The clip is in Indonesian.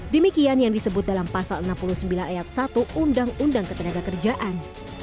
demikian yang disebut dalam pasal enam puluh sembilan ayat satu undang undang ketenaga kerjaan